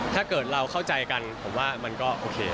ถ้าเกิดเราเข้าใจกันผมว่ามันก็โอเค